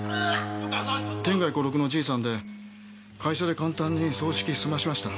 天涯孤独のじいさんで会社で簡単に葬式済ましました。